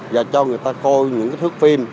và cho người ta coi những thước phim